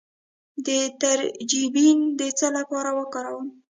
د ترنجبین د څه لپاره وکاروم؟